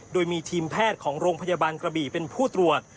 โดยมีทีมแพทย์ของโรงพยาบาลกระบี่เป็นผู้ตรวจ